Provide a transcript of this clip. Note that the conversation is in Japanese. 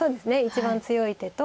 一番強い手と。